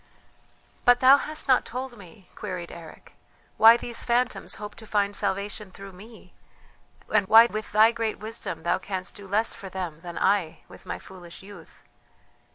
"But thou hast not told me," queried Eric, "why these phantoms hope to find salvation through me, and why with thy great wisdom thou canst do less for them than I with my foolish youth?"